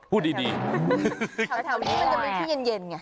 พูดดีค่ะ